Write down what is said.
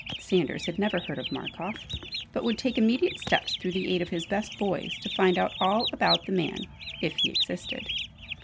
Sanders had never heard of Markoff, but would take immediate steps through the aid of his "best boys" to find out all about the man if he existed!